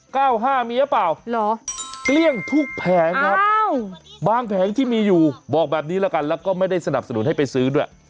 เก้าห้ามีหรือเปล่าเหรอเกลี้ยงทุกแผงครับอ้าวบางแผงที่มีอยู่บอกแบบนี้ละกันแล้วก็ไม่ได้สนับสนุนให้ไปซื้อด้วย